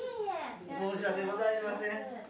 申し訳ございません。